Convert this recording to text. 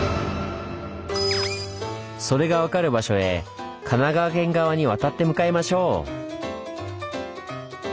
それが分かる場所へ神奈川県側に渡って向かいましょう。